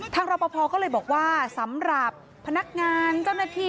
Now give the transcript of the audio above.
รอปภก็เลยบอกว่าสำหรับพนักงานเจ้าหน้าที่